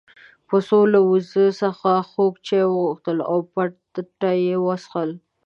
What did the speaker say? پسونو له وزې څخه خوږ چای وغوښتل او په پټه يې وڅښل.